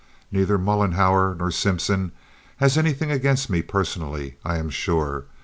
Neither Mollenhauer nor Simpson has anything against me personally, I am sure.